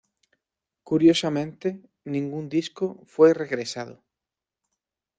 Curiosamente, ningún disco fue regresado.